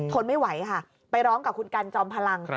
ทนไม่ไหวค่ะไปร้องกับคุณกันจอมพลัง